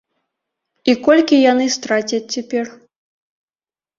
І колькі яны страцяць цяпер?